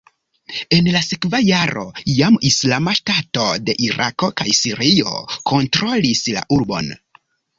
En la sekva jaro jam Islama Ŝtato de Irako kaj Sirio kontrolis la urbon.